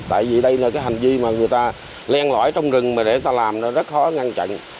tại vì đây là hành vi mà người ta len lõi trong rừng để làm rất khó ngăn chặn